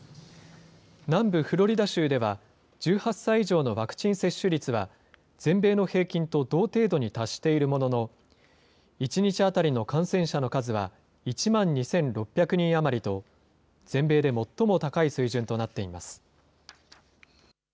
南部フロリダ州では、１８歳以上のワクチン接種率は、全米の平均と同程度に達しているものの、１日当たりの感染者の数は、１万２６００人余りと、全米で最も高い水準となっています。